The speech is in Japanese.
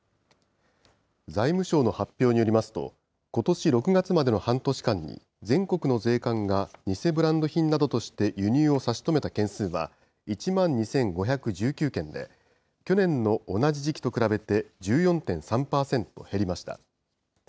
財務省の発表によりますと、ことし６月までの半年間に、全国の税関が偽ブランド品などとして輸入を差し止めた件数は１万２５１９件で、去年の同じ時期と比べて１４．３％減りました。